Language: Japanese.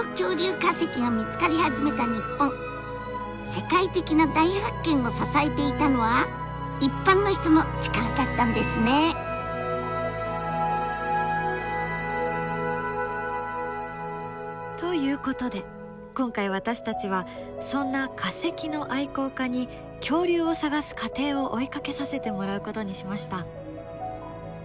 世界的な大発見を支えていたのは一般の人の力だったんですね！ということで今回私たちはそんな化石の愛好家に恐竜を探す過程を追いかけさせてもらうことにしました。